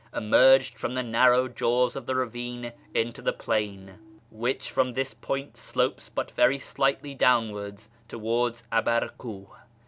emerged from the narrow jaws of the ravine into the plain, which from this point slopes but very slightly downwards towards Abarkuh.